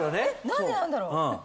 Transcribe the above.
何でなんだろう？